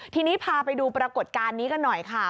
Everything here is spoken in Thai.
ทีนี้พาไปดูปรากฏการณ์นี้กันหน่อยค่ะ